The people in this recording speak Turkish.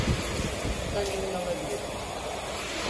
Bundan emin olabilirsin.